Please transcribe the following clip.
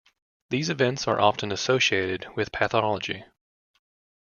These events are often associated with pathology.